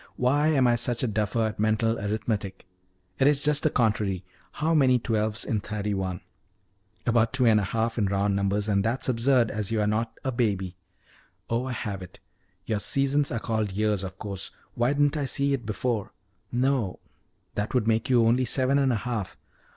Why am I such a duffer at mental arithmetic! It is just the contrary how many twelves in thirty one? About two and a half in round numbers, and that's absurd, as you are not a baby. Oh, I have it: your seasons are called years, of course why didn't I see it before! No, that would make you only seven and a half.